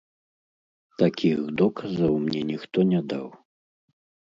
Такіх доказаў мне ніхто не даў.